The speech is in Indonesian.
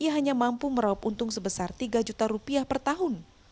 ia hanya mampu meraup untung sebesar tiga juta rupiah per tahun